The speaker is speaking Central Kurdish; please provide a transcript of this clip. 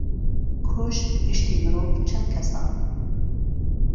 کۆش گشتی مرۆڤ چەند کەسە؟